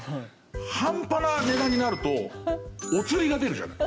半端な値段になるとお釣りが出るじゃない。